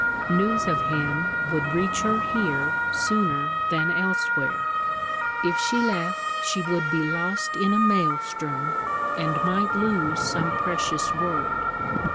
News of him would reach her here sooner than elsewhere. If she left, she would be lost in a maelstrom, and might lose some precious word.